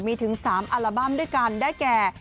มีถึง๓อัลบั้มด้วยกันได้แก่